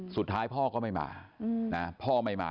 สุดท้ายพ่อก็ไม่มาพ่อไม่มา